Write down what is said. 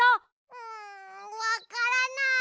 うんわからない。